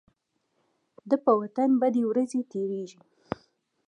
د په وطن بدې ورځې تيريږي.